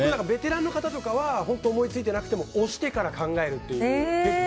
ベテランの方とかは思いついてなくても押してから考えるという。